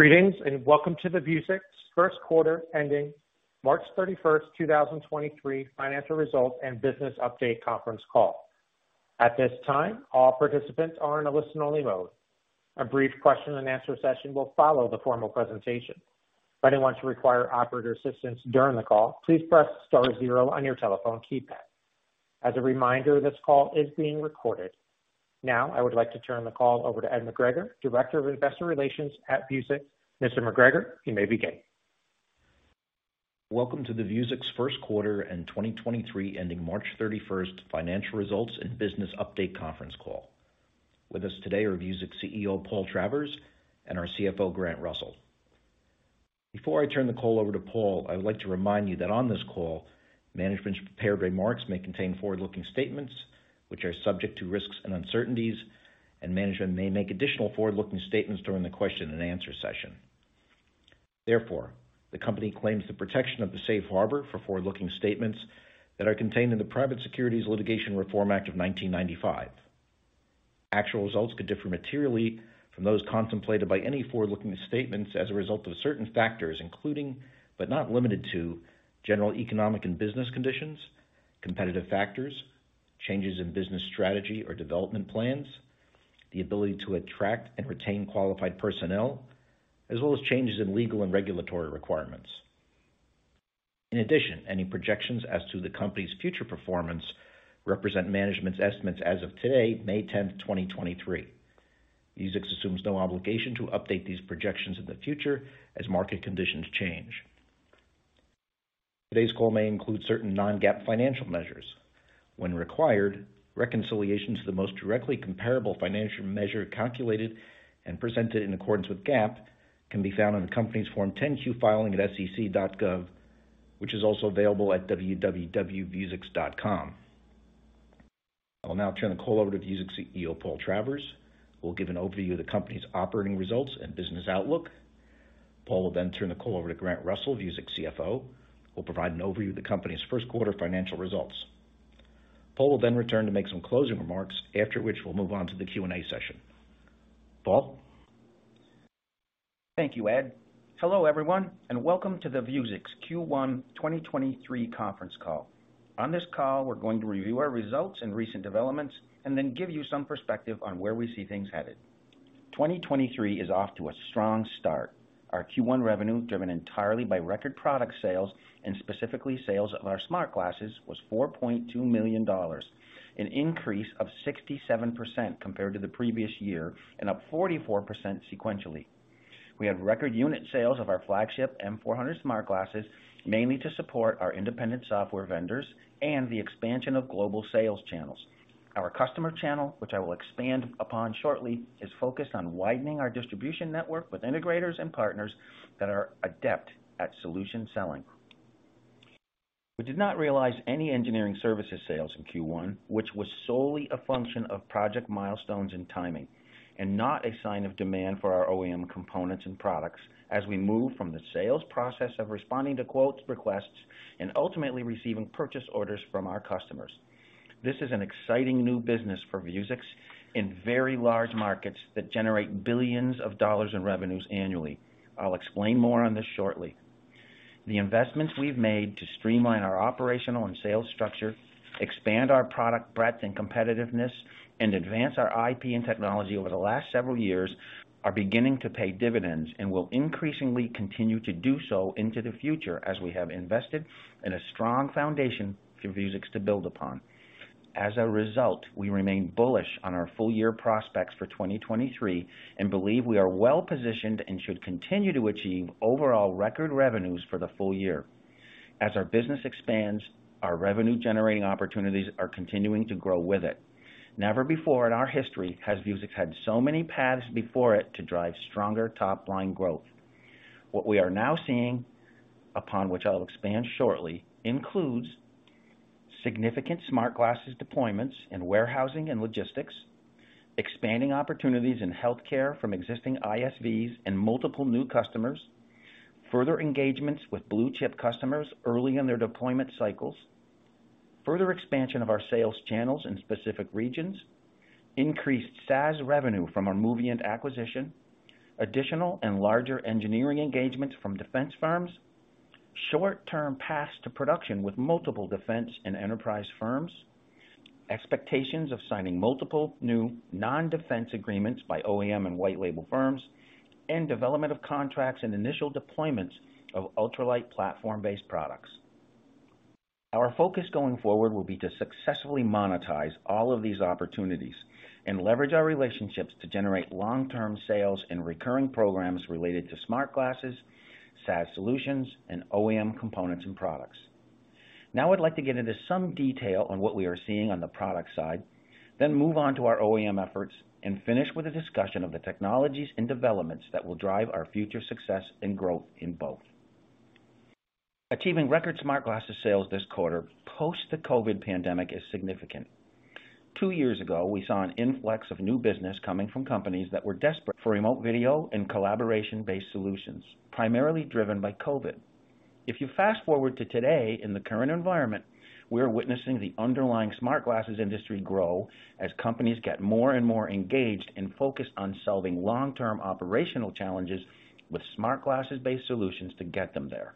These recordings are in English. Greetings, and welcome to the Vuzix first quarter ending March 31st, 2023 financial results and business update conference call. At this time, all participants are in a listen only mode. A brief question and answer session will follow the formal presentation. If anyone should require operator assistance during the call, please press star 0 on your telephone keypad. As a reminder, this call is being recorded. Now I would like to turn the call over to Ed McGregor, Director of Investor Relations at Vuzix. Mr. McGregor, you may begin. Welcome to the Vuzix first quarter and 2023 ending March thirty-first financial results and business update conference call. With us today are Vuzix CEO, Paul Travers, and our CFO, Grant Russell. Before I turn the call over to Paul, I would like to remind you that on this call, management's prepared remarks may contain forward-looking statements which are subject to risks and uncertainties, and management may make additional forward-looking statements during the question and answer session. The company claims the protection of the safe harbor for forward-looking statements that are contained in the Private Securities Litigation Reform Act of 1995. Actual results could differ materially from those contemplated by any forward-looking statements as a result of certain factors, including, but not limited to, general economic and business conditions, competitive factors, changes in business strategy or development plans, the ability to attract and retain qualified personnel, as well as changes in legal and regulatory requirements. In addition, any projections as to the company's future performance represent management's estimates as of today, May tenth, 2023. Vuzix assumes no obligation to update these projections in the future as market conditions change. Today's call may include certain non-GAAP financial measures. When required, reconciliation to the most directly comparable financial measure calculated and presented in accordance with GAAP can be found on the company's Form 10-Q filing at SEC.gov, which is also available at www.vuzix.com. I will now turn the call over to Vuzix CEO, Paul Travers, who will give an overview of the company's operating results and business outlook. Paul will turn the call over to Grant Russell, Vuzix CFO, who will provide an overview of the company's first quarter financial results. Paul will return to make some closing remarks, after which we'll move on to the Q&A session. Paul? Thank you, Ed. Hello, everyone, and welcome to the Vuzix Q1 2023 conference call. On this call, we're going to review our results and recent developments and then give you some perspective on where we see things headed. 2023 is off to a strong start. Our Q1 revenue, driven entirely by record product sales and specifically sales of our smart glasses, was $4.2 million, an increase of 67% compared to the previous year and up 44% sequentially. We had record unit sales of our flagship M400 smart glasses, mainly to support our independent software vendors and the expansion of global sales channels. Our customer channel, which I will expand upon shortly, is focused on widening our distribution network with integrators and partners that are adept at solution selling. We did not realize any engineering services sales in Q1, which was solely a function of project milestones and timing, and not a sign of demand for our OEM components and products as we move from the sales process of responding to quotes, requests, and ultimately receiving purchase orders from our customers. This is an exciting new business for Vuzix in very large markets that generate billions of dollars in revenues annually. I'll explain more on this shortly. The investments we've made to streamline our operational and sales structure, expand our product breadth and competitiveness, and advance our IP and technology over the last several years are beginning to pay dividends and will increasingly continue to do so into the future as we have invested in a strong foundation for Vuzix to build upon. As a result, we remain bullish on our full year prospects for 2023 and believe we are well positioned and should continue to achieve overall record revenues for the full year. As our business expands, our revenue generating opportunities are continuing to grow with it. Never before in our history has Vuzix had so many paths before it to drive stronger top-line growth. What we are now seeing, upon which I will expand shortly, includes significant smart glasses deployments in warehousing and logistics, expanding opportunities in healthcare from existing ISVs and multiple new customers, further engagements with blue chip customers early in their deployment cycles, further expansion of our sales channels in specific regions, increased SaaS revenue from our Moviynt acquisition, additional and larger engineering engagements from defense firms, short-term paths to production with multiple defense and enterprise firms, expectations of signing multiple new non-defense agreements by OEM and white label firms, and development of contracts and initial deployments of Ultralite platform-based products. Our focus going forward will be to successfully monetize all of these opportunities and leverage our relationships to generate long-term sales and recurring programs related to smart glasses, SaaS solutions, and OEM components and products. I'd like to get into some detail on what we are seeing on the product side, then move on to our OEM efforts and finish with a discussion of the technologies and developments that will drive our future success and growth in both. Achieving record smart glasses sales this quarter post the COVID pandemic is significant. Two years ago, we saw an influx of new business coming from companies that were desperate for remote video and collaboration-based solutions, primarily driven by COVID. If you fast-forward to today in the current environment, we are witnessing the underlying smart glasses industry grow as companies get more and more engaged and focused on solving long-term operational challenges with smart glasses-based solutions to get them there.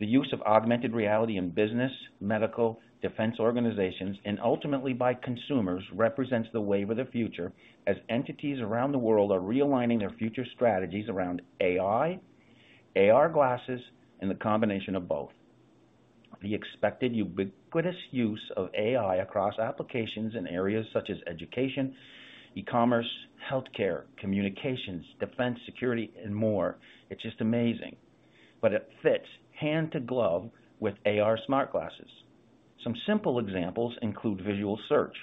The use of augmented reality in business, medical, defense organizations, and ultimately by consumers, represents the wave of the future as entities around the world are realigning their future strategies around AI, AR glasses, and the combination of both. The expected ubiquitous use of AI across applications in areas such as education, e-commerce, healthcare, communications, defense, security, and more, it's just amazing. It fits hand to glove with AR smart glasses. Some simple examples include visual search,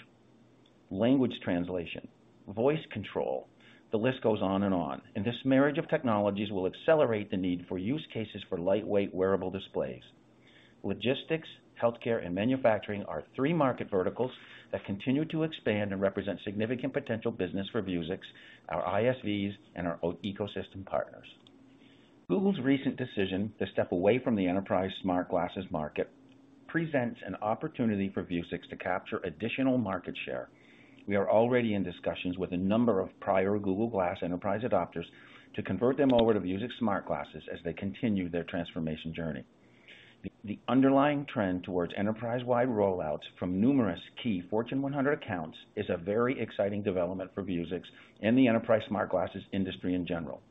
language translation, voice control. The list goes on and on. This marriage of technologies will accelerate the need for use cases for lightweight wearable displays. Logistics, healthcare, and manufacturing are three market verticals that continue to expand and represent significant potential business for Vuzix, our ISVs, and our ecosystem partners. Google's recent decision to step away from the enterprise smart glasses market presents an opportunity for Vuzix to capture additional market share. We are already in discussions with a number of prior Google Glass enterprise adopters to convert them over to Vuzix smart glasses as they continue their transformation journey. The underlying trend towards enterprise-wide rollouts from numerous key Fortune 100 accounts is a very exciting development for Vuzix and the enterprise smart glasses industry in general.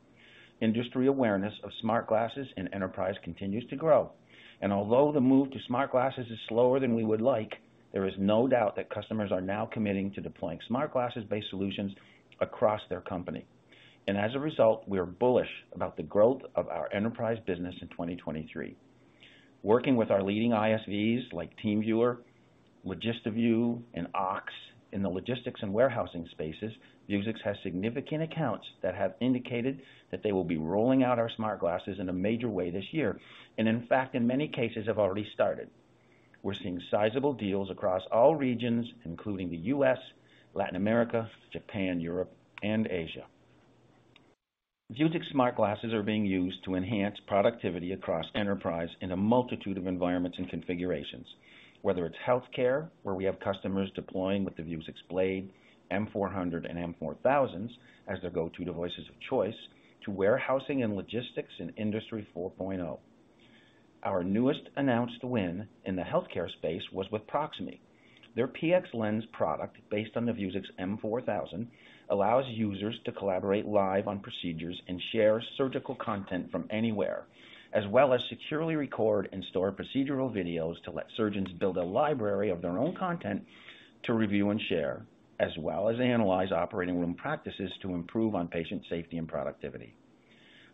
Although the move to smart glasses is slower than we would like, there is no doubt that customers are now committing to deploying smart glasses-based solutions across their company. As a result, we are bullish about the growth of our enterprise business in 2023. Working with our leading ISVs like TeamViewer, LogistiVIEW, and OX in the logistics and warehousing spaces, Vuzix has significant accounts that have indicated that they will be rolling out our smart glasses in a major way this year, and in fact, in many cases, have already started. We're seeing sizable deals across all regions, including the U.S., Latin America, Japan, Europe, and Asia. Vuzix smart glasses are being used to enhance productivity across enterprise in a multitude of environments and configurations, whether it's healthcare, where we have customers deploying with the Vuzix Blade, M400, and M4000 as their go-to devices of choice to warehousing and logistics in Industry 4.0. Our newest announced win in the healthcare space was with Proximie. Their PxLens product, based on the Vuzix M4000, allows users to collaborate live on procedures and share surgical content from anywhere, as well as securely record and store procedural videos to let surgeons build a library of their own content to review and share, as well as analyze operating room practices to improve on patient safety and productivity.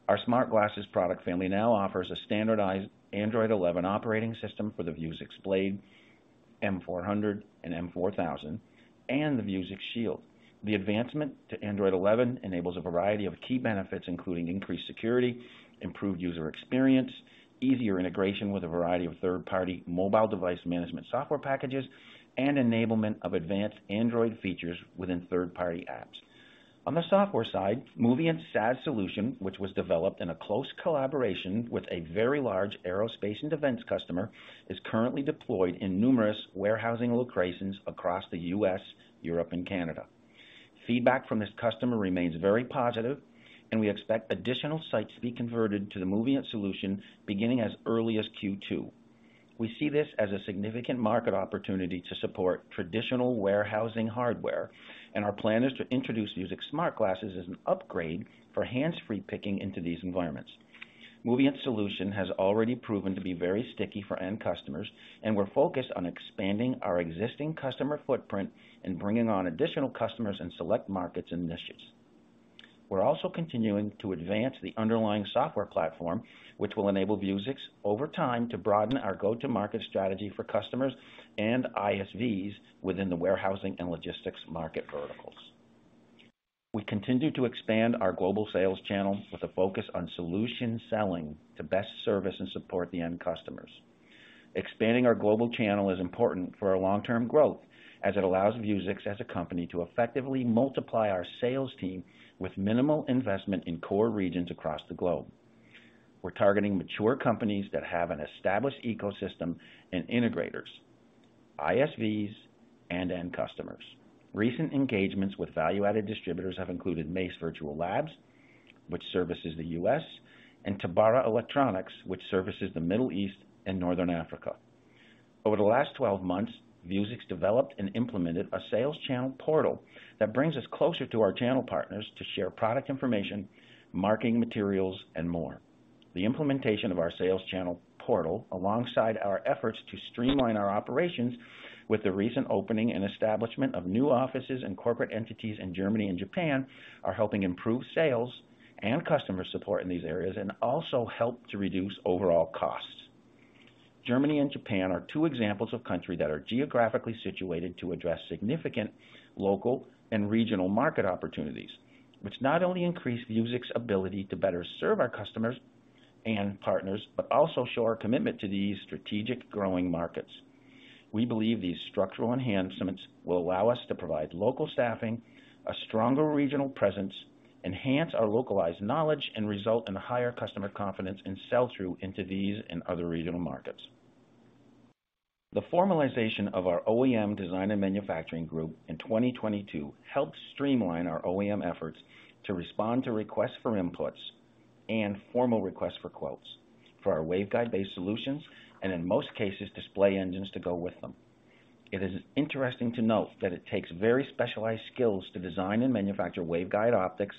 Our smart glasses product family now offers a standardized Android 11 operating system for the Vuzix Blade, M400, and M4000, and the Vuzix Shield. The advancement to Android 11 enables a variety of key benefits, including increased security, improved user experience, easier integration with a variety of third-party mobile device management software packages, and enablement of advanced Android features within third-party apps. On the software side, Moviynt SaaS solution, which was developed in a close collaboration with a very large aerospace and defense customer, is currently deployed in numerous warehousing locations across the U.S., Europe, and Canada. Feedback from this customer remains very positive, we expect additional sites to be converted to the Moviynt solution beginning as early as Q2. We see this as a significant market opportunity to support traditional warehousing hardware, our plan is to introduce Vuzix smart glasses as an upgrade for hands-free picking into these environments. Moviynt solution has already proven to be very sticky for end customers, we're focused on expanding our existing customer footprint and bringing on additional customers in select markets and niches. We're also continuing to advance the underlying software platform, which will enable Vuzix over time to broaden our go-to-market strategy for customers and ISVs within the warehousing and logistics market verticals. We continue to expand our global sales channel with a focus on solution selling to best service and support the end customers. Expanding our global channel is important for our long-term growth as it allows Vuzix as a company to effectively multiply our sales team with minimal investment in core regions across the globe. We're targeting mature companies that have an established ecosystem and integrators, ISVs, and end customers. Recent engagements with value-added distributors have included MACE Virtual Labs, which services the U.S., and Tabbara Electronics, which services the Middle East and North Africa. Over the last 12 months, Vuzix developed and implemented a sales channel portal that brings us closer to our channel partners to share product information, marketing materials, and more. The implementation of our sales channel portal, alongside our efforts to streamline our operations with the recent opening and establishment of new offices and corporate entities in Germany and Japan, are helping improve sales and customer support in these areas and also help to reduce overall costs. Germany and Japan are two examples of countries that are geographically situated to address significant local and regional market opportunities, which not only increase Vuzix's ability to better serve our customers and partners, but also show our commitment to these strategic growing markets. We believe these structural enhancements will allow us to provide local staffing, a stronger regional presence, enhance our localized knowledge, and result in higher customer confidence and sell-through into these and other regional markets. The formalization of our OEM design and manufacturing group in 2022 helped streamline our OEM efforts to respond to requests for inputs and formal requests for quotes for our waveguide-based solutions and in most cases, display engines to go with them. It is interesting to note that it takes very specialized skills to design and manufacture waveguide optics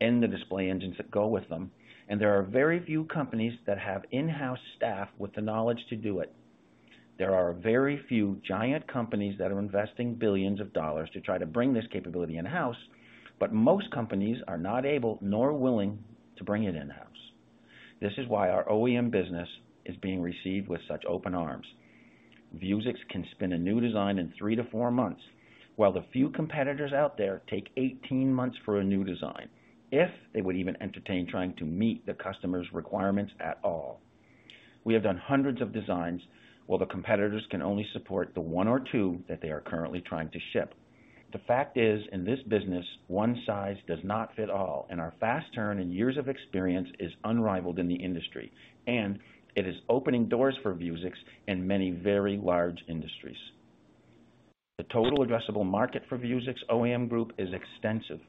and the display engines that go with them. There are very few companies that have in-house staff with the knowledge to do it. There are very few giant companies that are investing $ billions to try to bring this capability in-house. Most companies are not able nor willing to bring it in-house. This is why our OEM business is being received with such open arms. Vuzix can spin a new design in 3 to 4 months. The few competitors out there take 18 months for a new design if they would even entertain trying to meet the customer's requirements at all. We have done hundreds of designs. The competitors can only support the 1 or 2 that they are currently trying to ship. The fact is, in this business, one size does not fit all. Our fast turn and years of experience is unrivaled in the industry. It is opening doors for Vuzix in many very large industries. The total addressable market for Vuzix OEM Group is extensive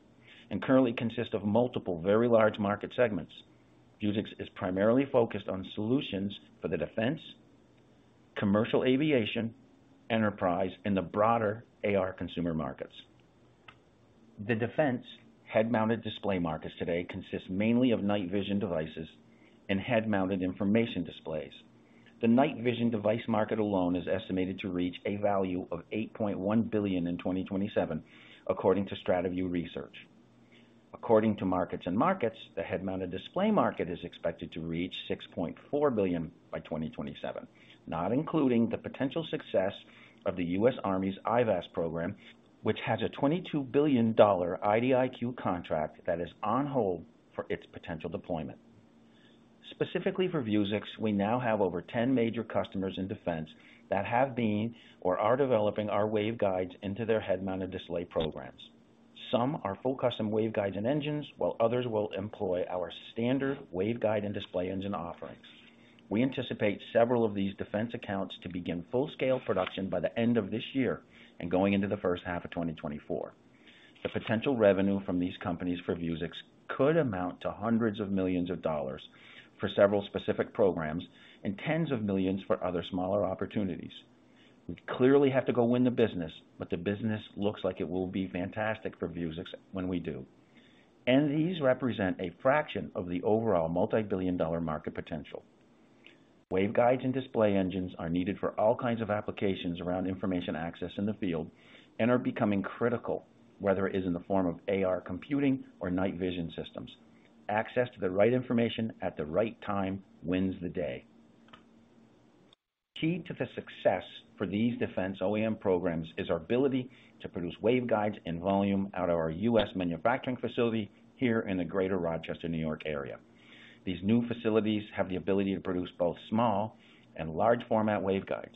and currently consists of multiple very large market segments. Vuzix is primarily focused on solutions for the defense, commercial aviation, enterprise, and the broader A.R Consumer markets. The defense head-mounted display markets today consist mainly of night vision devices and head-mounted information displays. The night vision device market alone is estimated to reach a value of $8.1 billion in 2027 according to Stratview Research. According to MarketsandMarkets, the head-mounted display market is expected to reach $6.4 billion by 2027, not including the potential success of the US Army's IVAS program, which has a $22 billion IDIQ contract that is on hold for its potential deployment. Specifically for Vuzix, we now have over 10 major customers in defense that have been or are developing our waveguides into their head-mounted display programs. Some are full custom waveguides and engines, while others will employ our standard waveguide and display engine offerings. We anticipate several of these defense accounts to begin full-scale production by the end of this year and going into the first half of 2024. The potential revenue from these companies for Vuzix could amount to hundreds of millions of dollars for several specific programs and tens of millions for other smaller opportunities. We clearly have to go win the business, but the business looks like it will be fantastic for Vuzix when we do. These represent a fraction of the overall multi-billion dollar market potential. Waveguides and display engines are needed for all kinds of applications around information access in the field and are becoming critical, whether it is in the form of AR computing or night vision systems. Access to the right information at the right time wins the day. Key to the success for these defense OEM programs is our ability to produce waveguides in volume out of our US manufacturing facility here in the Greater Rochester, New York area. These new facilities have the ability to produce both small and large format waveguides.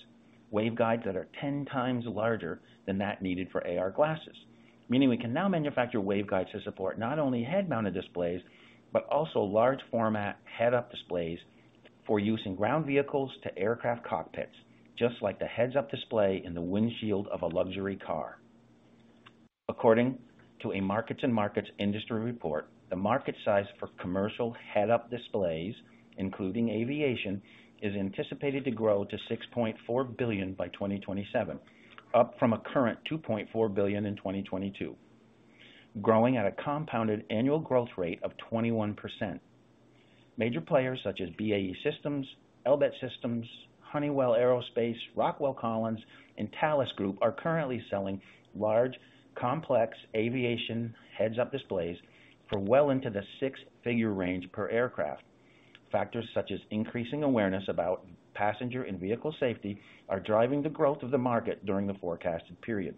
Waveguides that are 10 times larger than that needed for AR glasses, meaning we can now manufacture waveguides to support not only head-mounted displays, but also large format head-up displays for use in ground vehicles to aircraft cockpits, just like the heads-up display in the windshield of a luxury car. According to a MarketsandMarkets industry report, the market size for commercial head-up displays, including aviation, is anticipated to grow to $6.4 billion by 2027, up from a current $2.4 billion in 2022, growing at a compounded annual growth rate of 21%. Major players such as BAE Systems, Elbit Systems, Honeywell Aerospace, Rockwell Collins, and Thales Group are currently selling large, complex aviation heads-up displays for well into the six-figure range per aircraft. Factors such as increasing awareness about passenger and vehicle safety are driving the growth of the market during the forecasted period.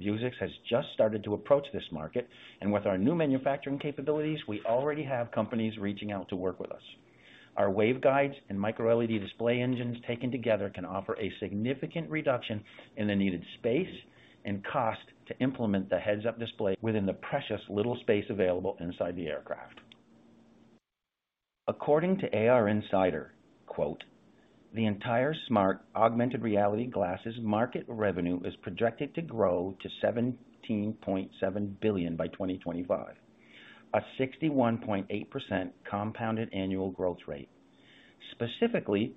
Vuzix has just started to approach this market, and with our new manufacturing capabilities, we already have companies reaching out to work with us. Our waveguides and micro-LED display engines taken together can offer a significant reduction in the needed space and cost to implement the heads-up display within the precious little space available inside the aircraft. According to AR Insider, quote, "The entire smart augmented reality glasses market revenue is projected to grow to $17.7 billion by 2025, a 61.8% compounded annual growth rate. Specifically,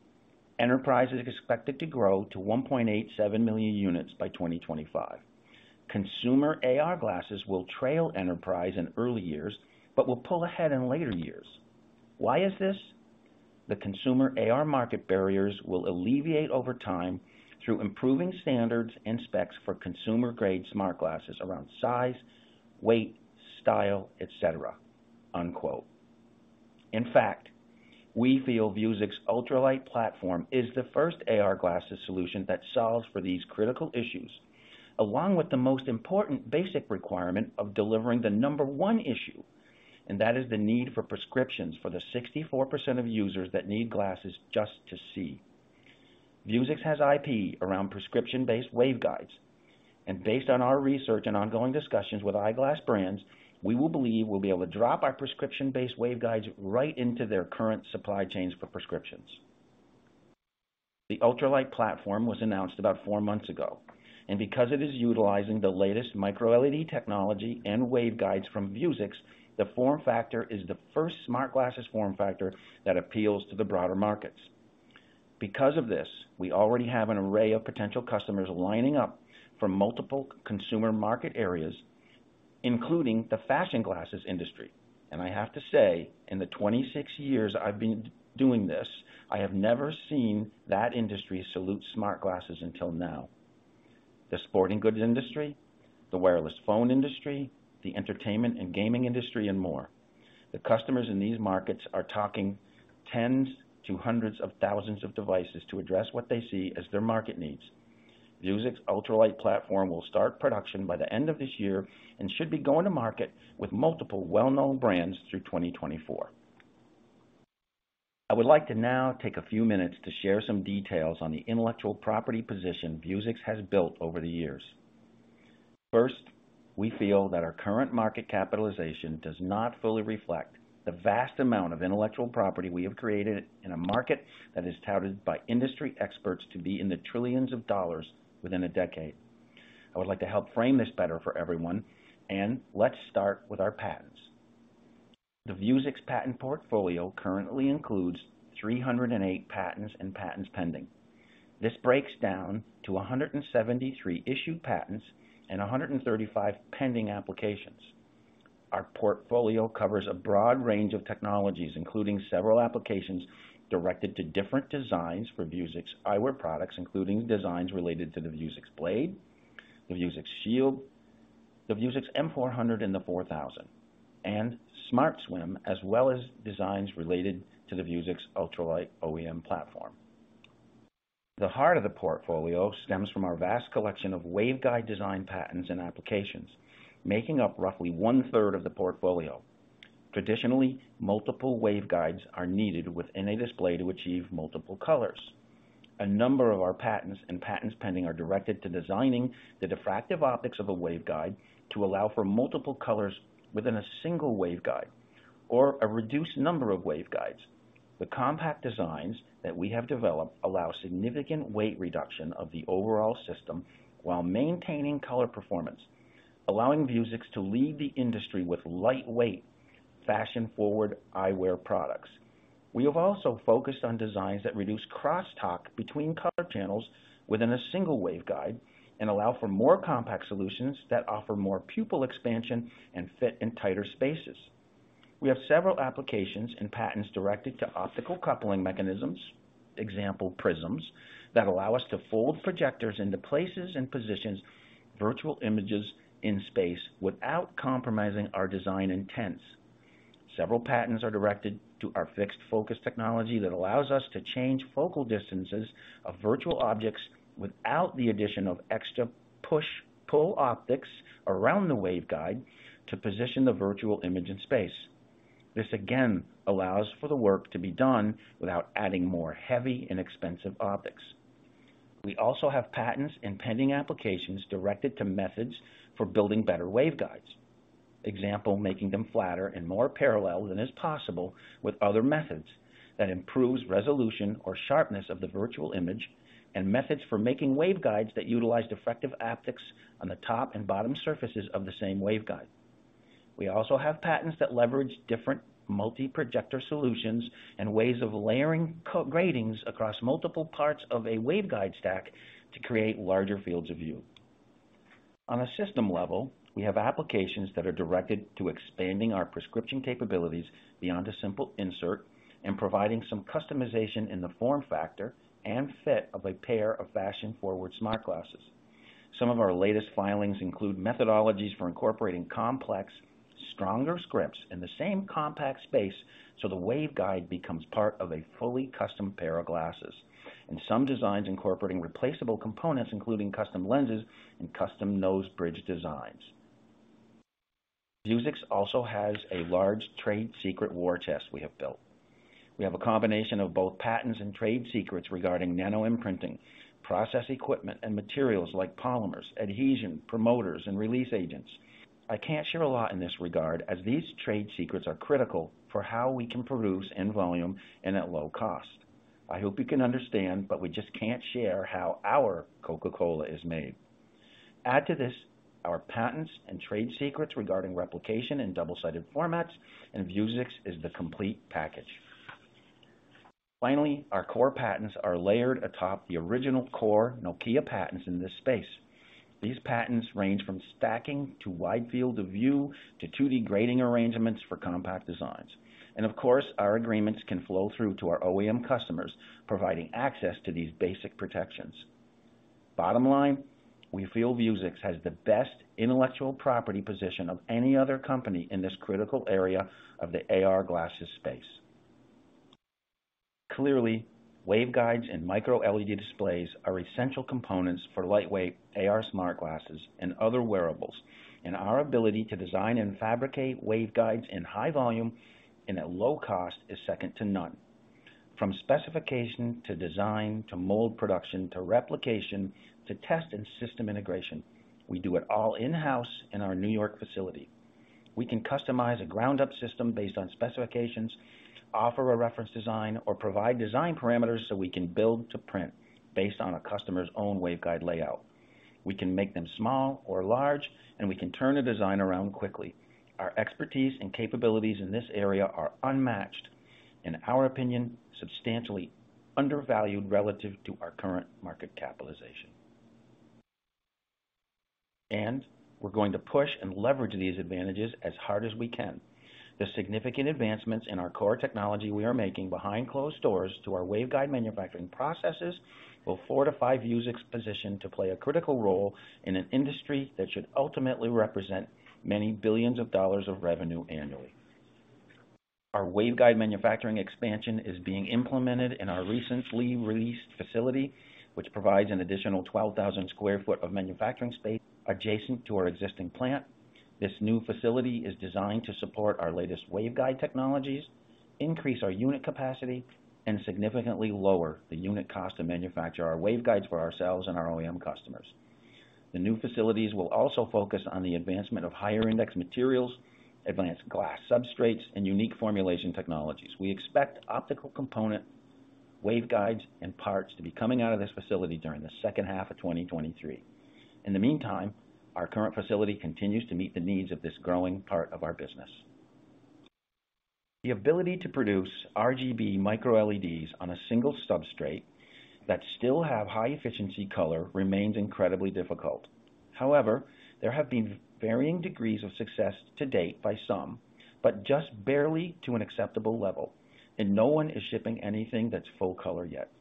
enterprise is expected to grow to 1.87 million units by 2025. Consumer AR glasses will trail enterprise in early years but will pull ahead in later years. Why is this? The consumer AR market barriers will alleviate over time through improving standards and specs for consumer-grade smart glasses around size, weight, style, etc," unquote. In fact, we feel Vuzix's Ultralite platform is the first AR glasses solution that solves for these critical issues, along with the most important basic requirement of delivering the number one issue. That is the need for prescriptions for the 64% of users that need glasses just to see. Vuzix has IP around prescription-based waveguides, and based on our research and ongoing discussions with eyeglass brands, we believe we'll be able to drop our prescription-based waveguides right into their current supply chains for prescriptions. The Ultralite platform was announced about 4 months ago, and because it is utilizing the latest micro-LED technology and waveguides from Vuzix, the form factor is the first smart glasses form factor that appeals to the broader markets. Because of this, we already have an array of potential customers lining up from multiple consumer market areas, including the fashion glasses industry, and I have to say, in the 26 years I've been doing this, I have never seen that industry salute smart glasses until now. The sporting goods industry, the wireless phone industry, the entertainment and gaming industry, and more. The customers in these markets are talking tens to hundreds of thousands of devices to address what they see as their market needs. Vuzix Ultralite platform will start production by the end of this year and should be going to market with multiple well-known brands through 2024. I would like to now take a few minutes to share some details on the intellectual property position Vuzix has built over the years. First, we feel that our current market capitalization does not fully reflect the vast amount of intellectual property we have created in a market that is touted by industry experts to be in the trillions of dollars within a decade. I would like to help frame this better for everyone. Let's start with our patents. The Vuzix patent portfolio currently includes 308 patents and patents pending. This breaks down to 173 issued patents and 135 pending applications. Our portfolio covers a broad range of technologies, including several applications directed to different designs for Vuzix eyewear products, including designs related to the Vuzix Blade, the Vuzix Shield, the Vuzix M400 and the M4000, and Smart Swim, as well as designs related to the Vuzix Ultralite OEM platform. The heart of the portfolio stems from our vast collection of waveguide design patents and applications, making up roughly 1/3 of the portfolio. Traditionally, multiple waveguides are needed within a display to achieve multiple colors. A number of our patents and patents pending are directed to designing the diffractive optics of a waveguide to allow for multiple colors within a single waveguide or a reduced number of waveguides. The compact designs that we have developed allow significant weight reduction of the overall system while maintaining color performance, allowing Vuzix to lead the industry with lightweight, fashion-forward eyewear products. We have also focused on designs that reduce crosstalk between color channels within a single waveguide and allow for more compact solutions that offer more pupil expansion and fit in tighter spaces. We have several applications and patents directed to optical coupling mechanisms, example, prisms, that allow us to fold projectors into places and positions virtual images in space without compromising our design intents. Several patents are directed to our fixed focus technology that allows us to change focal distances of virtual objects without the addition of extra push, pull optics around the waveguide to position the virtual image in space. This again allows for the work to be done without adding more heavy and expensive optics. We also have patents and pending applications directed to methods for building better waveguides. Example, making them flatter and more parallel than is possible with other methods that improves resolution or sharpness of the virtual image and methods for making waveguides that utilize diffractive optics on the top and bottom surfaces of the same waveguide. We also have patents that leverage different multi-projector solutions and ways of layering co-gratings across multiple parts of a waveguide stack to create larger fields of view. On a system level, we have applications that are directed to expanding our prescription capabilities beyond a simple insert and providing some customization in the form factor and fit of a pair of fashion-forward smart glasses. Some of our latest filings include methodologies for incorporating complex, stronger scripts in the same compact space, so the waveguide becomes part of a fully custom pair of glasses. In some designs incorporating replaceable components, including custom lenses and custom nose bridge designs. Vuzix also has a large trade secret war chest we have built. We have a combination of both patents and trade secrets regarding nanoimprinting, process equipment, and materials like polymers, adhesion, promoters, and release agents. I can't share a lot in this regard, as these trade secrets are critical for how we can produce in volume and at low cost. I hope you can understand, we just can't share how our Coca-Cola is made. Add to this our patents and trade secrets regarding replication and double-sided formats, Vuzix is the complete package. Finally, our core patents are layered atop the original core Nokia patents in this space. These patents range from stacking, to wide field of view, to 2D grating arrangements for compact designs. Of course, our agreements can flow through to our OEM customers, providing access to these basic protections. Bottom line, we feel Vuzix has the best intellectual property position of any other company in this critical area of the AR glasses space. Clearly, waveguides and micro-LED displays are essential components for lightweight AR smart glasses and other wearables. Our ability to design and fabricate waveguides in high volume and at low cost is second to none. From specification to design to mold production to replication to test and system integration, we do it all in-house in our New York facility. We can customize a ground up system based on specifications, offer a reference design, or provide design parameters so we can build to print based on a customer's own waveguide layout. We can make them small or large. We can turn a design around quickly. Our expertise and capabilities in this area are unmatched, in our opinion, substantially undervalued relative to our current market capitalization. We're going to push and leverage these advantages as hard as we can. The significant advancements in our core technology we are making behind closed doors to our waveguide manufacturing processes will fortify Vuzix's position to play a critical role in an industry that should ultimately represent many billions of dollars of revenue annually. Our waveguide manufacturing expansion is being implemented in our recently released facility, which provides an additional 12,000 sq ft of manufacturing space adjacent to our existing plant. This new facility is designed to support our latest waveguide technologies, increase our unit capacity, and significantly lower the unit cost to manufacture our waveguides for ourselves and our OEM customers. The new facilities will also focus on the advancement of higher index materials, advanced glass substrates, and unique formulation technologies. We expect optical component waveguides and parts to be coming out of this facility during the second half of 2023. In the meantime, our current facility continues to meet the needs of this growing part of our business. The ability to produce RGB micro-LEDs on a single substrate that still have high efficiency color remains incredibly difficult. However, there have been varying degrees of success to date by some, but just barely to an acceptable level. No one is shipping anything that's full color yet.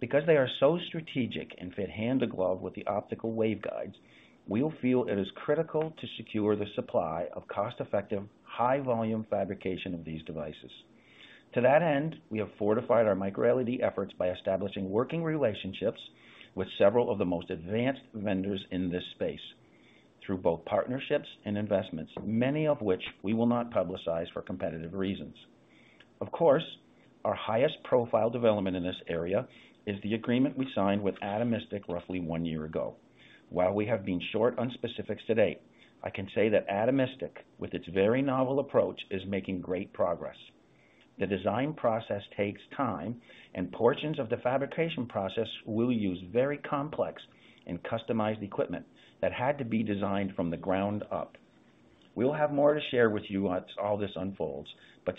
Because they are so strategic and fit hand to glove with the optical waveguides, we feel it is critical to secure the supply of cost-effective, high-volume fabrication of these devices. To that end, we have fortified our micro-LED efforts by establishing working relationships with several of the most advanced vendors in this space through both partnerships and investments, many of which we will not publicize for competitive reasons. Of course, our highest profile development in this area is the agreement we signed with Atomistic roughly one year ago. While we have been short on specifics to date, I can say that Atomistic, with its very novel approach, is making great progress. The design process takes time, and portions of the fabrication process will use very complex and customized equipment that had to be designed from the ground up. We will have more to share with you as all this unfolds,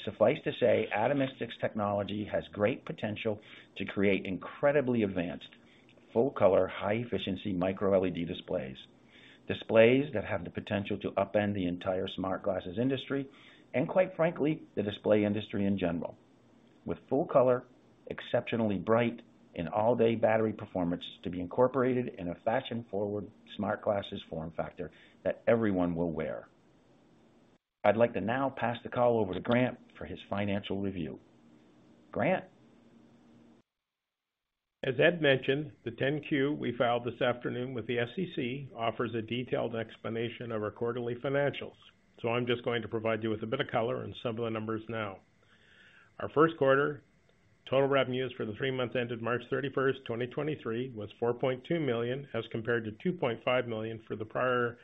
suffice to say, Atomistic's technology has great potential to create incredibly advanced, full color, high efficiency micro-LED displays. Displays that have the potential to upend the entire smart glasses industry and quite frankly, the display industry in general, with full color, exceptionally bright and all-day battery performance to be incorporated in a fashion-forward smart glasses form factor that everyone will wear. I'd like to now pass the call over to Grant for his financial review. Grant. As Ed mentioned, the 10-Q we filed this afternoon with the SEC offers a detailed explanation of our quarterly financials. I'm just going to provide you with a bit of color on some of the numbers now. Our first quarter total revenues for the three months ended March 31st, 2023 was $4.2 million, as compared to $2.5 million for the prior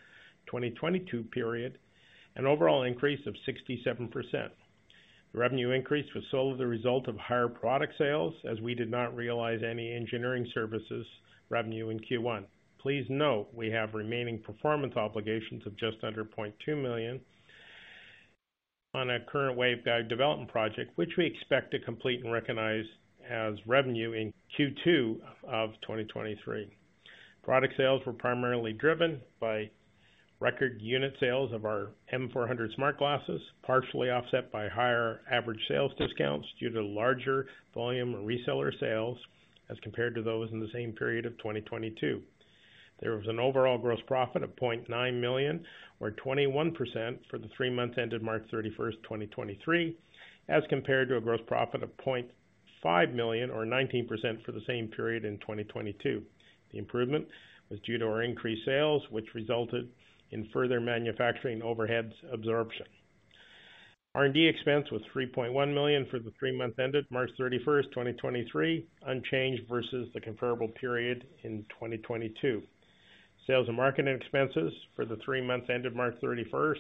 2022 period, an overall increase of 67%. The revenue increase was solely the result of higher product sales as we did not realize any engineering services revenue in Q1. Please note we have remaining performance obligations of just under $0.2 million on a current waveguide development project, which we expect to complete and recognize as revenue in Q2 of 2023. Product sales were primarily driven by record unit sales of our M400 smart glasses, partially offset by higher average sales discounts due to larger volume reseller sales as compared to those in the same period of 2022. There was an overall gross profit of $0.9 million or 21% for the three months ended March 31st, 2023, as compared to a gross profit of $0.5 million or 19% for the same period in 2022. The improvement was due to our increased sales, which resulted in further manufacturing overheads absorption. R&D expense was $3.1 million for the three months ended March 31st, 2023, unchanged versus the comparable period in 2022. Sales and marketing expenses for the 3 months ended March 31,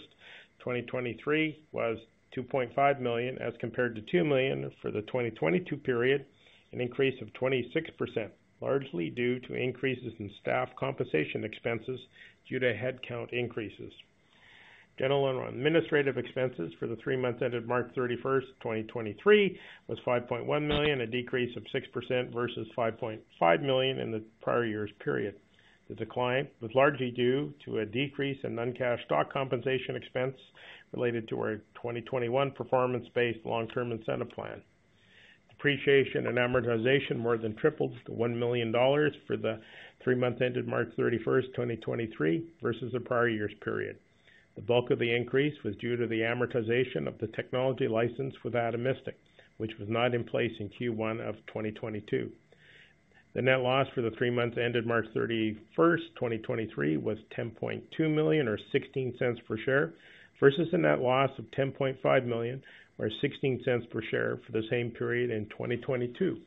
2023 was $2.5 million, as compared to $2 million for the 2022 period, an increase of 26%, largely due to increases in staff compensation expenses due to headcount increases. General and administrative expenses for the 3 months ended March 31, 2023 was $5.1 million, a decrease of 6% versus $5.5 million in the prior year's period. The decline was largely due to a decrease in non-cash stock compensation expense related to our 2021 performance-based long-term incentive plan. Depreciation and amortization more than tripled to $1 million for the 3 months ended March 31, 2023 versus the prior year's period. The bulk of the increase was due to the amortization of the technology license with Atomistic, which was not in place in Q1 of 2022. The net loss for the three months ended March 31st, 2023 was $10.2 million or $0.16 per share versus a net loss of $10.5 million or $0.16 per share for the same period in 2022.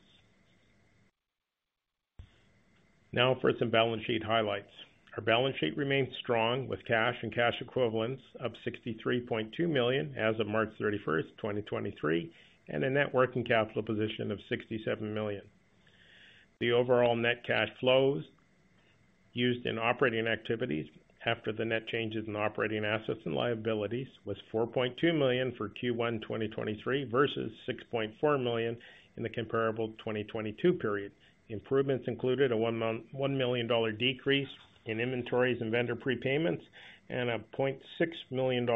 Now for some balance sheet highlights. Our balance sheet remains strong with cash and cash equivalents of $63.2 million as of March 31st, 2023, and a net working capital position of $67 million. The overall net cash flows used in operating activities after the net changes in operating assets and liabilities was $4.2 million for Q1 2023 versus $6.4 million in the comparable 2022 period. Improvements included a $1 million decrease in inventories and vendor prepayments and a $0.6 million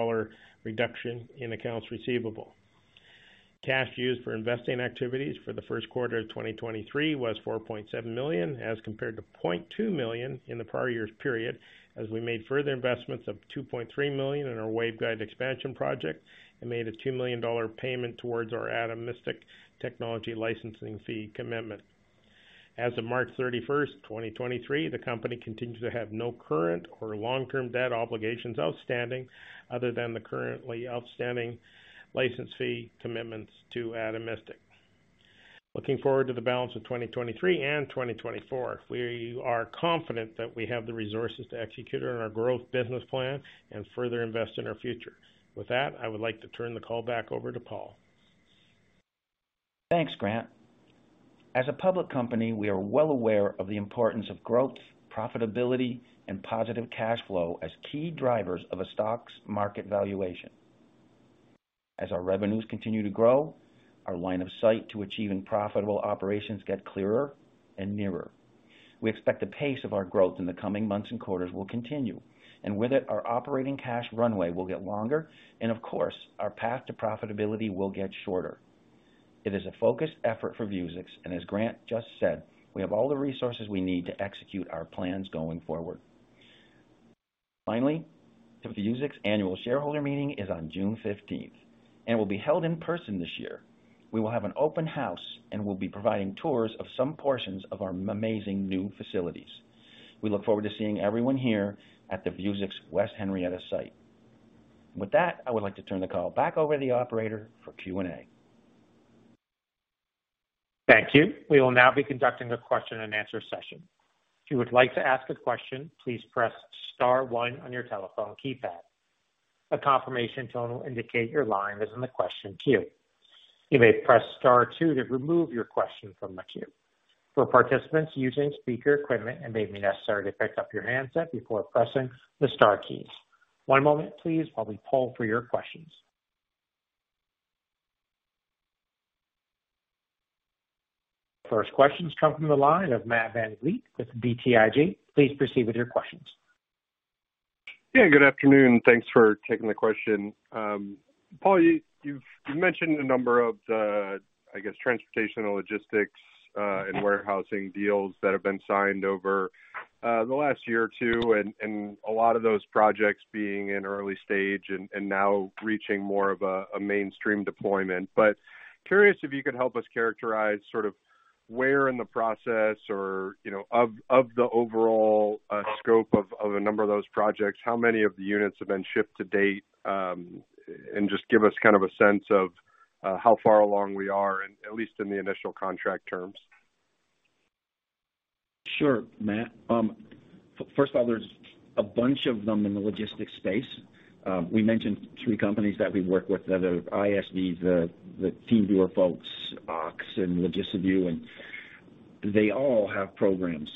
reduction in accounts receivable. Cash used for investing activities for the first quarter of 2023 was $4.7 million, as compared to $0.2 million in the prior year's period as we made further investments of $2.3 million in our waveguide expansion project and made a $2 million payment towards our Atomistic technology licensing fee commitment. As of March 31st, 2023, the company continues to have no current or long-term debt obligations outstanding other than the currently outstanding license fee commitments to Atomistic. Looking forward to the balance of 2023 and 2024, we are confident that we have the resources to execute on our growth business plan and further invest in our future. With that, I would like to turn the call back over to Paul. Thanks, Grant. As a public company, we are well aware of the importance of growth, profitability, and positive cash flow as key drivers of a stock's market valuation. As our revenues continue to grow, our line of sight to achieving profitable operations get clearer and nearer. We expect the pace of our growth in the coming months and quarters will continue, and with it, our operating cash runway will get longer, and of course, our path to profitability will get shorter. It is a focused effort for Vuzix. As Grant just said, we have all the resources we need to execute our plans going forward. Finally, the Vuzix annual shareholder meeting is on June 15th and will be held in person this year. We will have an open house. We'll be providing tours of some portions of our amazing new facilities. We look forward to seeing everyone here at the Vuzix West Henrietta site. With that, I would like to turn the call back over to the operator for Q&A. Thank you. We will now be conducting a question-and-answer session. If you would like to ask a question, please press star one on your telephone keypad. A confirmation tone will indicate your line is in the question queue. You may press star two to remove your question from the queue. For participants using speaker equipment, it may be necessary to pick up your handset before pressing the star keys. One moment please while we poll for your questions. First question's coming from the line of Matt VanVliet with BTIG. Please proceed with your questions. Yeah, good afternoon. Thanks for taking the question. Paul, you've mentioned a number of the, I guess, transportational logistics and warehousing deals that have been signed over the last year or two, and a lot of those projects being in early stage and now reaching more of a mainstream deployment. Curious if you could help us characterize sort of where in the process or, you know, of the overall scope of a number of those projects, how many of the units have been shipped to date, and just give us kind of a sense of how far along we are and at least in the initial contract terms? Sure, Matt. First of all, there's a bunch of them in the logistics space. We mentioned 3 companies that we work with, the other ISVs, the TeamViewer folks, OX and LogistiVIEW, and they all have programs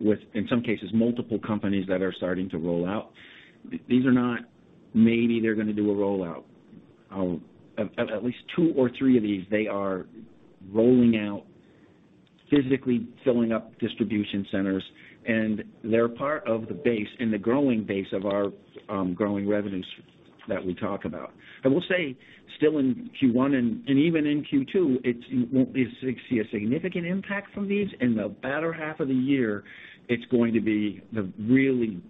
with, in some cases, multiple companies that are starting to roll out. These are not, maybe they're gonna do a rollout. At least 2 or 3 of these, they are rolling out, physically filling up distribution centers, and they're part of the base and the growing base of our growing revenues that we talk about. I will say still in Q1 and even in Q2, you won't be see a significant impact from these. In the better half of the year, it's going to be the really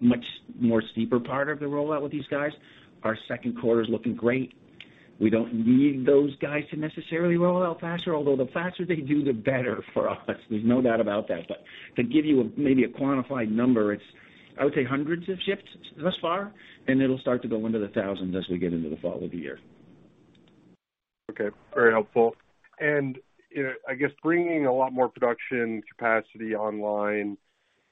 much more steeper part of the rollout with these guys. Our second quarter's looking great. We don't need those guys to necessarily roll out faster, although the faster they do, the better for us. There's no doubt about that. To give you a, maybe a quantified number, it's I would say hundreds of ships thus far, and it'll start to go into the thousands as we get into the fall of the year. Okay, very helpful. You know, I guess bringing a lot more production capacity online,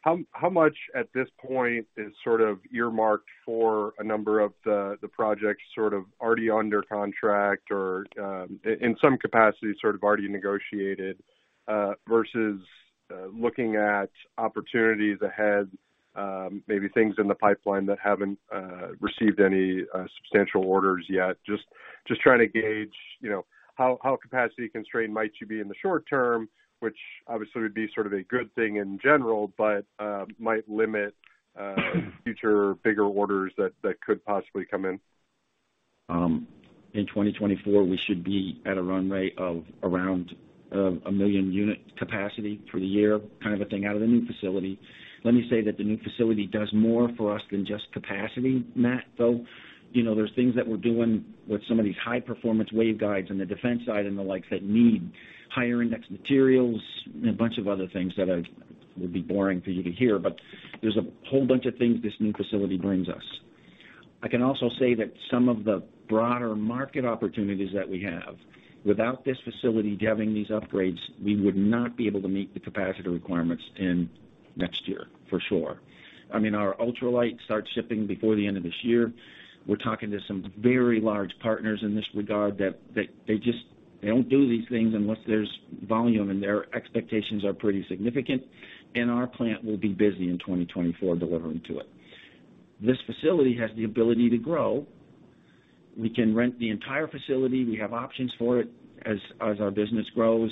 how much at this point is sort of earmarked for a number of the projects sort of already under contract or, in some capacity, sort of already negotiated, versus looking at opportunities ahead, maybe things in the pipeline that haven't received any substantial orders yet. Just trying to gauge, you know, how capacity constrained might you be in the short term, which obviously would be sort of a good thing in general, but might limit future bigger orders that could possibly come in. In 2024, we should be at a runway of around 1 million unit capacity for the year, kind of a thing out of the new facility. Let me say that the new facility does more for us than just capacity, Matt, though. You know, there's things that we're doing with some of these high-performance waveguides on the defense side and the likes that need higher index materials and a bunch of other things that would be boring for you to hear, but there's a whole bunch of things this new facility brings us. I can also say that some of the broader market opportunities that we have, without this facility having these upgrades, we would not be able to meet the capacity requirements in next year, for sure. I mean, our Ultralite starts shipping before the end of this year. We're talking to some very large partners in this regard that they don't do these things unless there's volume, and their expectations are pretty significant. Our plant will be busy in 2024 delivering to it. This facility has the ability to grow. We can rent the entire facility. We have options for it as our business grows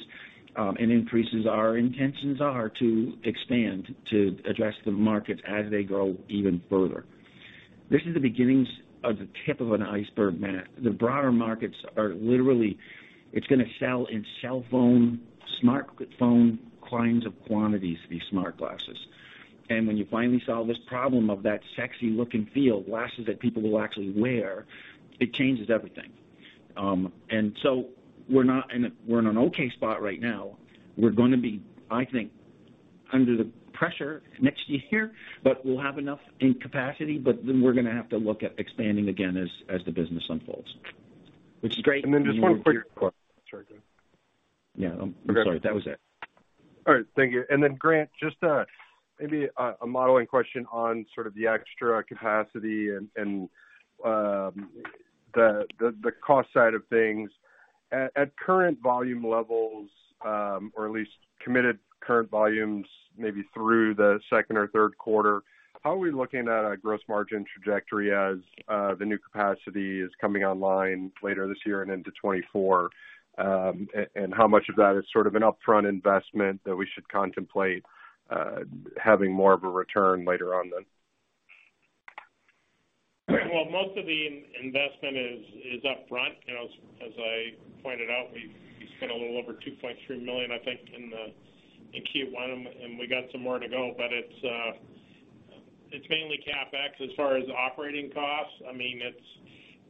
and increases. Our intentions are to expand, to address the markets as they grow even further. This is the beginnings of the tip of an iceberg, Matt. The broader markets are literally. It's gonna sell in cell phone, smartphone kinds of quantities, these smart glasses. When you finally solve this problem of that sexy look and feel, glasses that people will actually wear, it changes everything. We're in an okay spot right now. We're gonna be, I think, under the pressure next year, but we'll have enough in capacity, but then we're gonna have to look at expanding again as the business unfolds, which is great news. just one. Sorry, go ahead. Yeah, I'm sorry. That was it. All right. Thank you. Then Grant, just a, maybe a modeling question on sort of the extra capacity and the cost side of things. At current volume levels, or at least committed current volumes, maybe through the second or third quarter, how are we looking at a gross margin trajectory as the new capacity is coming online later this year and into 2024? How much of that is sort of an upfront investment that we should contemplate, having more of a return later on then? Well, most of the investment is up front. You know, as I pointed out, we spent a little over $2.3 million, I think, in Q1, and we got some more to go. It's mainly CapEx as far as operating costs. I mean,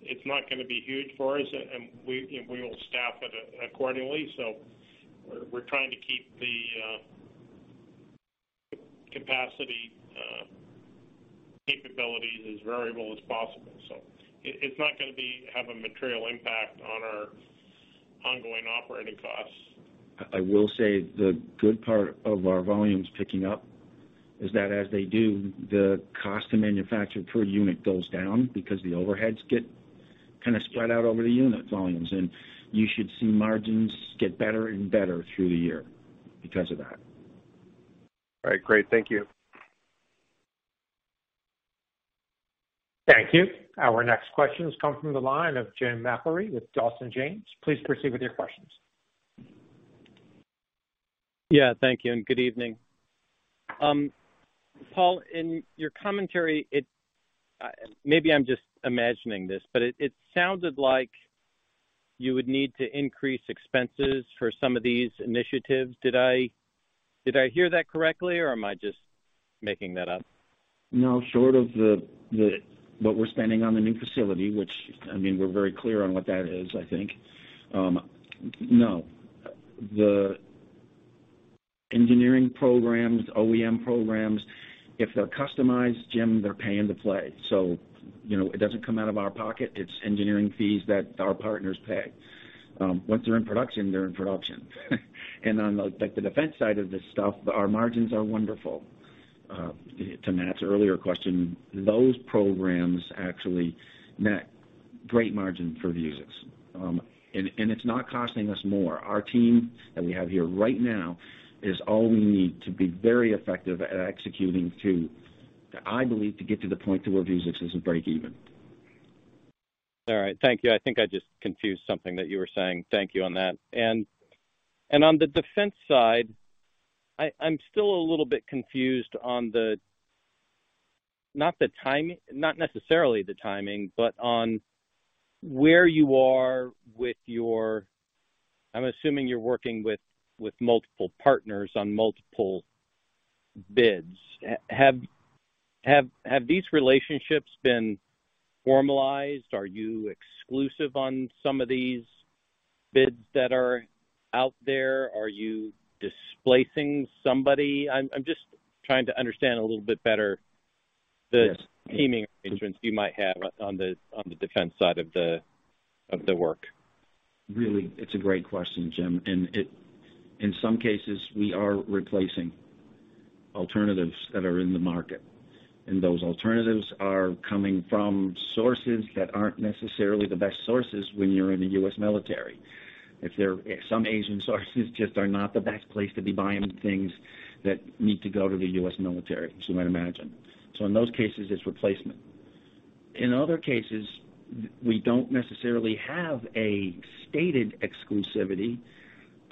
it's not gonna be huge for us, and we will staff it accordingly. We're trying to keep the capacity capabilities as variable as possible. It's not gonna have a material impact on our ongoing operating costs. I will say the good part of our volumes picking up is that as they do, the cost to manufacture per unit goes down because the overheads get kind of spread out over the unit volumes. You should see margins get better and better through the year because of that. All right. Great. Thank you. Thank you. Our next question comes from the line of James McIlree with Dawson James. Please proceed with your questions. Yeah. Thank you. Good evening. Paul, in your commentary, maybe I'm just imagining this, but it sounded like you would need to increase expenses for some of these initiatives. Did I hear that correctly, or am I just making that up? No, short of what we're spending on the new facility, which, I mean, we're very clear on what that is, I think. No. The engineering programs, OEM programs, if they're customized, Jim, they're paying to play. You know, it doesn't come out of our pocket. It's engineering fees that our partners pay. Once they're in production, they're in production. On the, like, the defense side of this stuff, our margins are wonderful. To Matt's earlier question, those programs actually net great margin for Vuzix. It's not costing us more. Our team that we have here right now is all we need to be very effective at executing to, I believe, to get to the point to where Vuzix is a break even. All right. Thank you. I think I just confused something that you were saying. Thank you on that. On the defense side, I'm still a little bit confused on the not the timing, not necessarily the timing, but on where you are with your. I'm assuming you're working with multiple partners on multiple bids. Have these relationships been formalized? Are you exclusive on some of these bids that are out there? Are you displacing somebody? I'm just trying to understand a little bit better. the teaming arrangements you might have on the, on the defense side of the, of the work. Really, it's a great question, Jim. In some cases, we are replacing alternatives that are in the market, and those alternatives are coming from sources that aren't necessarily the best sources when you're in the U.S. military. If some Asian sources just are not the best place to be buying things that need to go to the U.S. military, as you might imagine. In those cases, it's replacement. In other cases, we don't necessarily have a stated exclusivity, but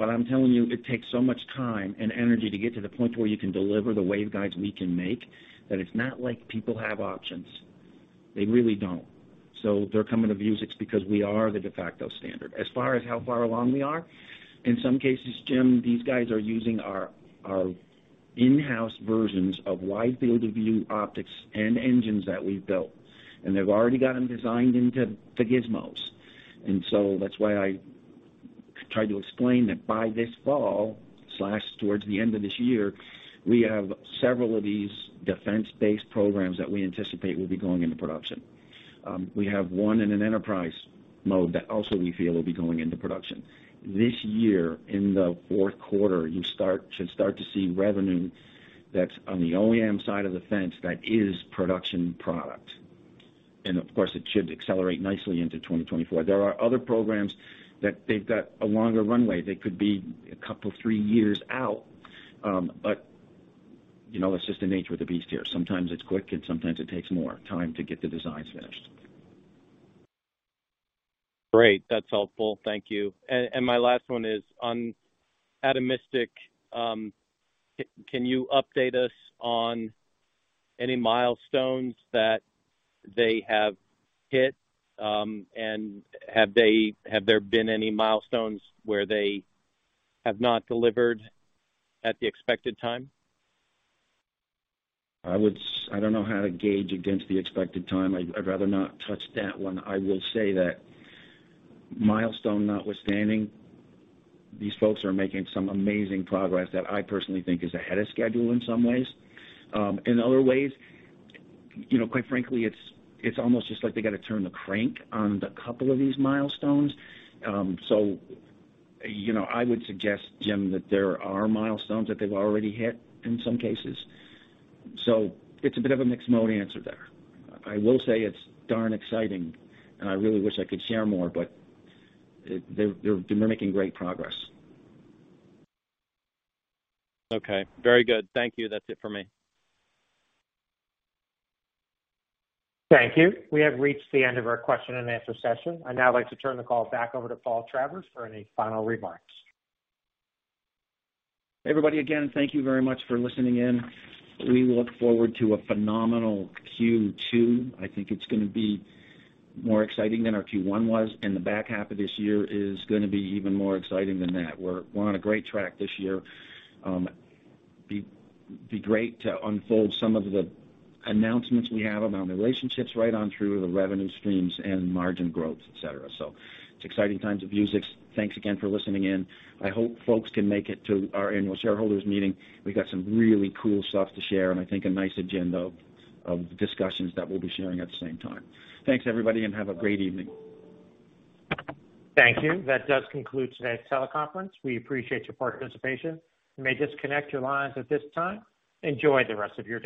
I'm telling you, it takes so much time and energy to get to the point where you can deliver the waveguides we can make, that it's not like people have options. They really don't. They're coming to Vuzix because we are the de facto standard. As far as how far along we are, in some cases, Jim, these guys are using our in-house versions of wide field of view optics and engines that we've built, and they've already got them designed into the gizmos. That's why I tried to explain that by this fall/towards the end of this year, we have several of these defense-based programs that we anticipate will be going into production. We have one in an enterprise mode that also we feel will be going into production. This year in the fourth quarter, you should start to see revenue that's on the OEM side of the fence that is production product. Of course, it should accelerate nicely into 2024. There are other programs that they've got a longer runway. They could be a couple, three years out, but, you know, it's just the nature of the beast here. Sometimes it's quick and sometimes it takes more time to get the designs finished. Great. That's helpful. Thank you. My last one is on Atomistic, can you update us on any milestones that they have hit? And have there been any milestones where they have not delivered at the expected time? I don't know how to gauge against the expected time. I'd rather not touch that one. I will say that milestone notwithstanding, these folks are making some amazing progress that I personally think is ahead of schedule in some ways. In other ways, you know, quite frankly, it's almost just like they gotta turn the crank on the couple of these milestones. You know, I would suggest, Jim, that there are milestones that they've already hit in some cases. So it's a bit of a mixed mode answer there. I will say it's darn exciting, and I really wish I could share more, but they're making great progress. Okay. Very good. Thank you. That's it for me. Thank you. We have reached the end of our question and answer session. I'd now like to turn the call back over to Paul Travers for any final remarks. Everybody, again, thank you very much for listening in. We look forward to a phenomenal Q2. I think it's gonna be more exciting than our Q1 was, and the back half of this year is gonna be even more exciting than that. We're on a great track this year. Be great to unfold some of the announcements we have around the relationships right on through to the revenue streams and margin growth, et cetera. It's exciting times at Vuzix. Thanks again for listening in. I hope folks can make it to our annual shareholders meeting. We've got some really cool stuff to share and I think a nice agenda of discussions that we'll be sharing at the same time. Thanks, everybody, and have a great evening. Thank you. That does conclude today's teleconference. We appreciate your participation. You may disconnect your lines at this time. Enjoy the rest of your day.